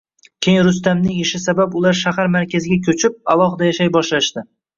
Keyin Rustamning ishi sabab ular shahar markaziga ko`chib, alohida yashay boshlashdi